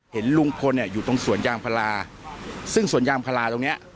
เห็นลุงพลเนี่ยอยู่ตรงสวนยางพลาซึ่งสวนยางพลาตรงเนี้ย